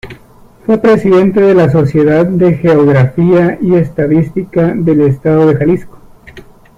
Fue presidente de la Sociedad de Geografía y Estadística del Estado de Jalisco.